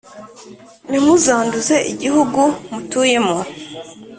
Ntimuzanduze igihugu mutuyemo